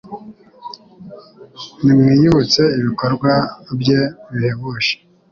Nimwiyibutse ibikorwa bye bihebuje